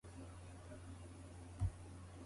三十二、三に見えるやせ型の男が、張ホテルの玄関をはいって、